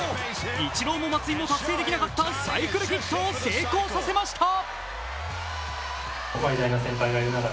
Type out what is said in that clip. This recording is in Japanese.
イチローも松井も達成できなかったサイクルヒットを成功させました。